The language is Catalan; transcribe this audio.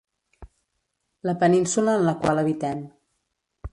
La península en la qual habitem.